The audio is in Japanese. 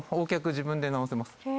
自分で治せます。